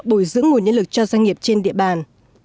bồi dưỡng nguồn nhân lực cho doanh nghiệp trên địa bàn